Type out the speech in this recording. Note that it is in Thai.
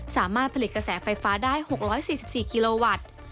สามารถผลิตกระแสไฟฟ้าได้๖๔๔กิโลวัตต์